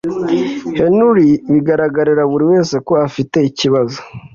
Henry bigaragarira buri wese ko ufite ikibazo